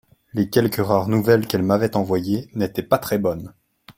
Les quelques rares nouvelles qu'elle m'avait envoyées n'ataient pas très bonnes.